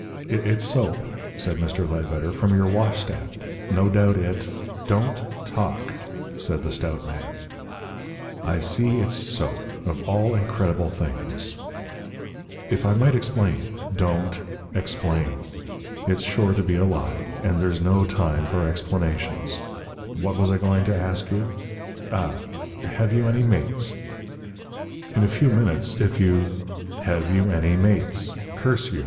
"It's soap," said Mr. Ledbetter. "From your washstand. No doubt it " "Don't talk," said the stout man. "I see it's soap. Of all incredible things." "If I might explain " "Don't explain. It's sure to be a lie, and there's no time for explanations. What was I going to ask you? Ah! Have you any mates?" "In a few minutes, if you " "Have you any mates? Curse you.